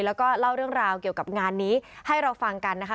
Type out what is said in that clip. แล้วก็เล่าเรื่องราวเกี่ยวกับงานนี้ให้เราฟังกันนะคะ